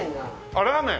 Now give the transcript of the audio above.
あっラーメン。